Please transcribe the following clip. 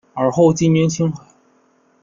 尔后进军青海。